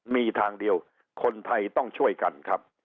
มีทางเดียวคนไทยต้องช่วยกันครับ